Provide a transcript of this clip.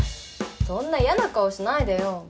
そんな嫌な顔しないでよ。